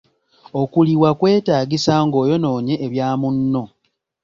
Okuliwa kwetaagisa ng’oyonoonye ebya munno.